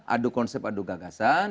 aduk konsep aduk gagasan